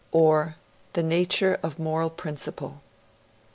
or 'The nature of the Moral Principle'.